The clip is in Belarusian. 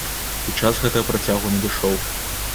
І час гэтага працягу надышоў.